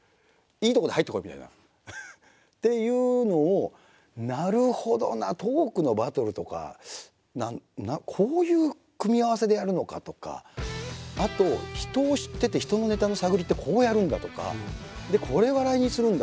いいとこで入ってこいみたいな。っていうのをなるほどなトークのバトルとかこういう組み合わせでやるのかとかあと人を知ってて人のネタの探りってこうやるんだとかこれ笑いにするんだとか。